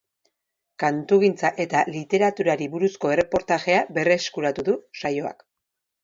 Kantugintza eta literaturari buruzko erreportajea berreskuratu du saioak.